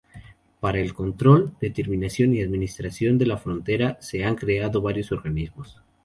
Para el control, determinación y administración de la frontera se han creado varios organismos.